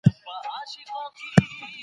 د تخمدان سرطان له پلاره لور ته لېږدېدلی شي.